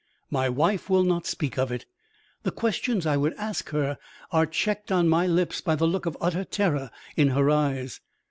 My wife will not speak of it. The questions I would ask her are checked on my lips by the look of utter terror in her eyes.